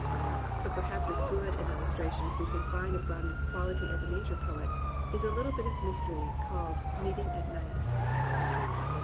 But perhaps as good an illustration as we can find of Browning's quality as a Nature poet, is a Httle bit of mystery called Meeting at Night.